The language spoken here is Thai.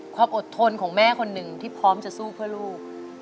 ความอดทนของแม่คนหนึ่งที่พร้อมจะสู้เพื่อลูก